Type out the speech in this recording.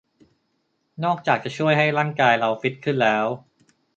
นอกจากจะช่วยให้ร่างกายเราฟิตขึ้นแล้ว